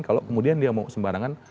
kalau kemudian dia mau sembarangan